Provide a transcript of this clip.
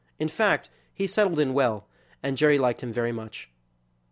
In fact, he settled in well, and Jerry liked him very much.